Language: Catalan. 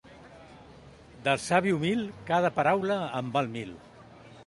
Del savi humil, cada paraula en val mil.